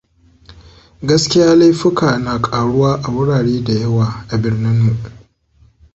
Gaskiya laifuka na ƙaruwa a wurare da yawa a birnin mu.